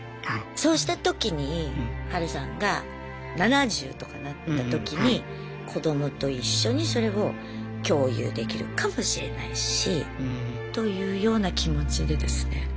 そうしたときにハルさんが７０とかなったときに子どもと一緒にそれを共有できるかもしれないしというような気持ちでですね